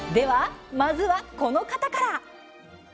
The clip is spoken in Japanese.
まずはこの方から。